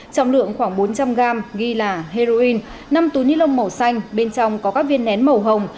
trọng lượng khoảng bốn trăm linh gram ghi là heroin năm túi ni lông màu xanh bên trong có các viên nén màu hồng